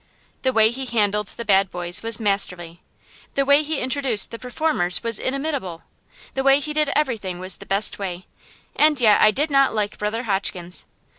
The way he handled the bad boys was masterly. The way he introduced the performers was inimitable. The way he did everything was the best way. And yet I did not like Brother Hotchkins.